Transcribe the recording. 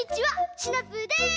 シナプーです！